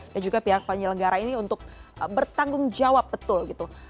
dan juga pihak penyelenggara ini untuk bertanggung jawab betul